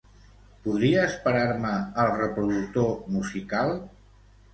Podries parar-me el reproductor musical?